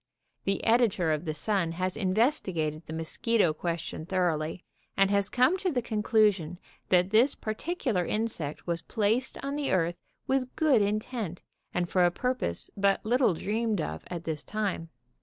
The editor of The Sun has investigated the mosquito question thoroughly, and has come to the conclusion that this particular insect was placed on the earth with good intent, and for a purpose but little dreamed of at this time.